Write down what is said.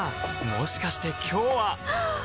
もしかして今日ははっ！